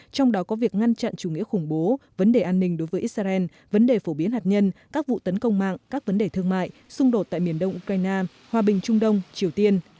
trong đó có việc ngăn chặn chủ nghĩa khủng bố vấn đề an ninh đối với israel vấn đề phổ biến hạt nhân các vụ tấn công mạng các vấn đề thương mại xung đột tại miền đông ukraine hòa bình trung đông triều tiên